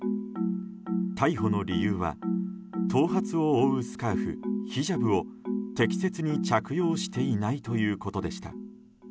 逮捕の理由は頭髪を覆うスカーフヒジャブを適切に着用していないということでした。